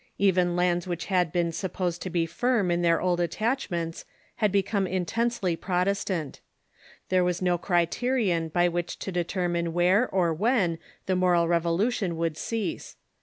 Even lands which had been Protestants and g^ppoggd to be firm in their old attachments had Catholics i * become intensely Protestant. There was no cri terion by which to determine where or when the moral revolu tion would cease.